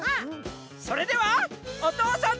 それでは「おとうさんといっしょ」。